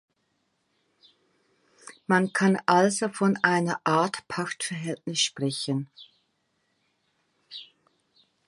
Man kann also von einer Art Pachtverhältnis sprechen.